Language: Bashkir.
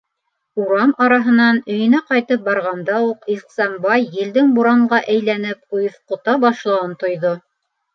Урам араһынан өйөнә ҡайтып барғанда уҡ Ихсанбай елдең буранға әйләйеп ойоҫҡота башлауын тойҙо.